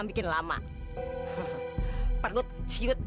ambil bayi dan karet kamu